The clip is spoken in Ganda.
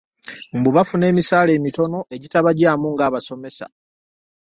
Mbu bafuna emisaala emitono egitabagyamu ng'abasomesa.